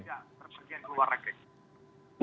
tidak berpergian ke luar negeri